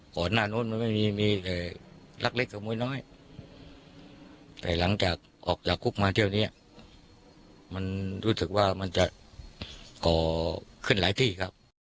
ก่อนหน้านู้นมันไม่มีมีแต่รักเล็กขโมยน้อยแต่หลังจากออกจากคุกมาเที่ยวนี้มันรู้สึกว่ามันจะก่อขึ้นหลายที่ครับ